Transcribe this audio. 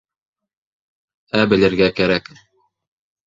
Ә белергә кәрәк.